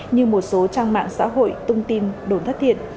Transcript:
như một số trang mạng xã hội tung tin đồn thất thiệt